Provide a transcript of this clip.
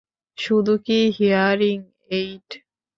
শুধুই কি hearing aid?